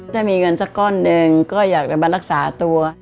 ถ้ามีเงินสักก้อนหนึ่งก็อยากจะมารักษาตัว